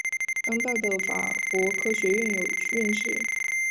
当代的法国科学院有院士。